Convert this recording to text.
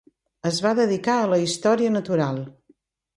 Es va dedicar a la història natural.